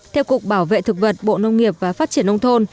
theo cục bảo vệ thực vật bộ nông nghiệp và phát triển nông thôn